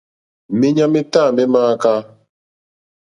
Méɲá métâ mé !mááká.